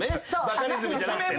バカリズムじゃなくてね。